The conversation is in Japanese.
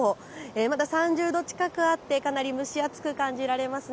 まだ３０度近くあってかなり蒸し暑く感じられます。